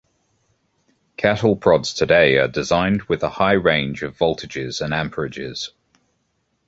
Cattle prods today are designed with a high range of voltages and amperages.